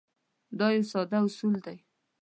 دا یو ساده اصول دی.